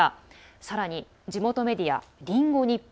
さらに地元メディア、リンゴ日報